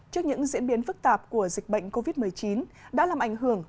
trước những diễn biến phức tạp của dịch bệnh covid một mươi chín đã làm ảnh hưởng